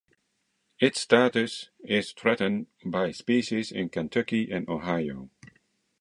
Its status is a threatened species in Kentucky and Ohio.